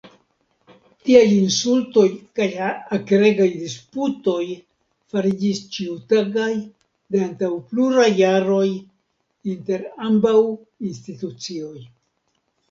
Tiaj insultoj kaj akregaj disputoj fariĝis ĉiutagaj de antaŭ pluraj jaroj inter ambaŭ institucioj.